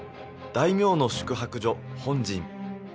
大名の宿泊所本陣